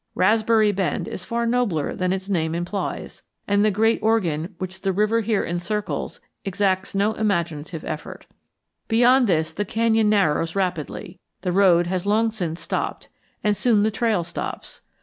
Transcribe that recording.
Raspberry Bend is far nobler than its name implies, and the Great Organ which the river here encircles exacts no imaginative effort. Beyond this the canyon narrows rapidly. The road has long since stopped, and soon the trail stops.